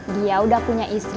dia udah punya istri